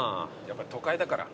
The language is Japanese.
やっぱり都会だから。